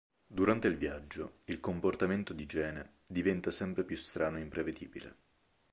Durante il viaggio, il comportamento di Gene diventa sempre più strano e imprevedibile.